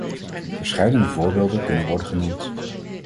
Verscheidene voorbeelden kunnen worden genoemd.